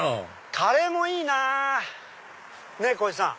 カレーもいいな！ねぇこひさん。